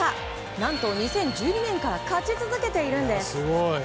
何と２０１２年から勝ち続けているんです。